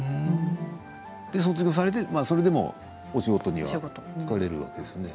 卒業されてお仕事には就かれるわけですね。